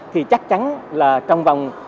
thì chắc chắn là trong vòng